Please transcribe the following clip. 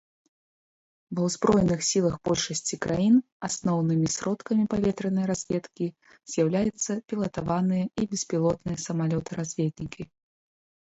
Ва ўзброеных сілах большасці краін асноўнымі сродкамі паветранай разведкі з'яўляецца пілатаваныя і беспілотныя самалёты-разведнікі.